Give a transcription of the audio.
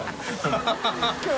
ハハハ